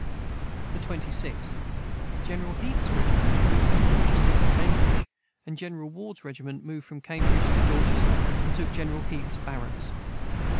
the 26. General Heaths regement moved from Dorchester to cambridg and Jeneral Wards regement moved from cambridg to Dorchester and took general Heath's Baracks.